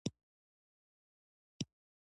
چرګان د افغانانو لپاره په معنوي لحاظ ارزښت لري.